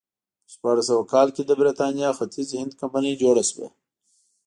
په شپاړس سوه کال کې د برېټانیا ختیځ هند کمپنۍ جوړه شوه.